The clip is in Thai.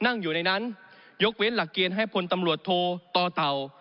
นั่งอยู่ในนั้นยกเว้นหลักเกณฑ์ให้พลตำรวจโทต่อเต่า